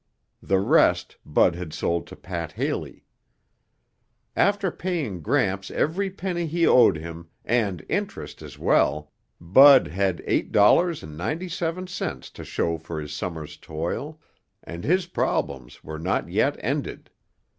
The rest Bud had sold to Pat Haley. After paying Gramps every penny he owed him and interest as well, Bud had $8.97 to show for his summer's toil, and his problems were not yet ended.